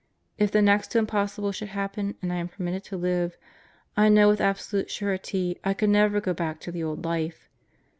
If the next to impossible should happen, and I am permitted to live, I know with absolute surety, I could never go back to the old life.